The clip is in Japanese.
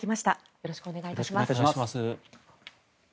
よろしくお願いします。